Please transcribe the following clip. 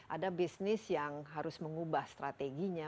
ada bisnis yang harus mengubah strateginya